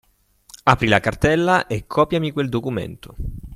Apri la cartella e copiami quel documento.